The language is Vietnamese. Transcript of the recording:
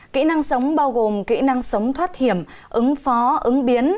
kỹ năng sống bao gồm kỹ năng sống thoát hiểm ứng phó ứng biến